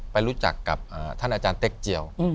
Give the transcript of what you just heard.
ไปรู้จักกับท่านอาจารย์เต็กเจียว